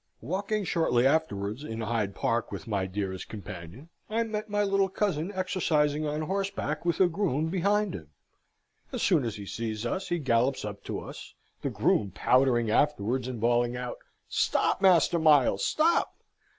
Walking shortly afterwards in Hyde Park with my dearest companion, I met my little cousin exercising on horseback with a groom behind him. As soon as he sees us, he gallops up to us, the groom powdering afterwards and bawling out, "Stop, Master Miles, stop!"